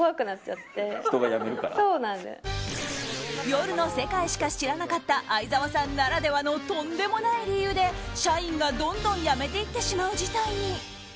夜の世界しか知らなかった愛沢さんならではのとんでもない理由で社員がどんどん辞めていってしまう事態に。